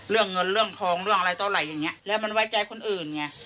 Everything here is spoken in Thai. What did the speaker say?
เรื่องเงินเรื่องทองเรื่องอะไรเท่าไหร่อย่างเงี้ยแล้วมันไว้ใจคนอื่นไง